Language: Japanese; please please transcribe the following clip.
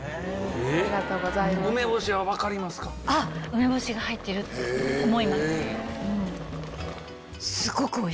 梅干しが入ってる！って思います。